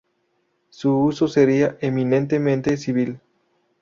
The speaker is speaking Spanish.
Su uso sería eminentemente civil.